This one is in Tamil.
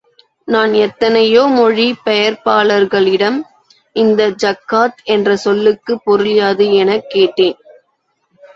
நான் எத்தனையோ மொழி பெயர்ப்பாளர்களிடம் இந்த ஜக்காத் என்ற சொல்லுக்குப் பொருள் யாது எனக் கேட்டேன்.